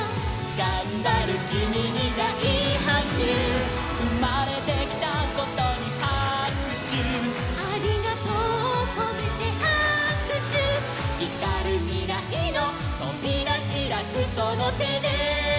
「がんばるキミにだいはくしゅ」「うまれてきたことにはくしゅ」「『ありがとう』をこめてはくしゅ」「ひかるみらいのとびらひらくそのてで」